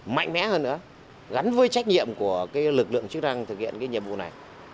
mạnh mẽ hơn nữa gắn với trách nhiệm của lực lượng chức năng thực hiện nhiệm vụ này